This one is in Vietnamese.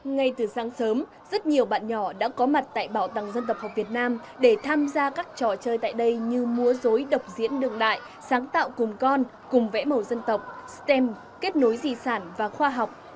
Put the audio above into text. ngay từ sáng sớm rất nhiều bạn nhỏ đã có mặt tại bảo tàng dân tộc học việt nam để tham gia các trò chơi tại đây như múa dối độc diễn đương đại sáng tạo cùng con cùng vẽ màu dân tộc stem kết nối di sản và khoa học